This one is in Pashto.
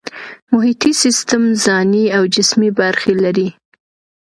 محیطي سیستم ځانی او جسمي برخې لري